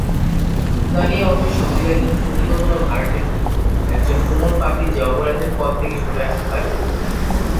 সানি ওরফে সন্দীপ একজন চুক্তিবদ্ধ বা ভাড়াটে খুনি, একজন কোমল পাপী যে অপরাধের পথ থেকে সরে আসতে পারেনি।